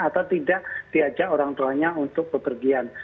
atau tidak diajak orang tuanya untuk bepergian